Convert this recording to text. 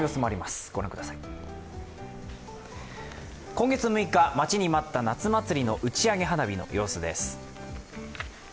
今月６日、待ちに待った夏祭りの打ち上げ花火の様子です。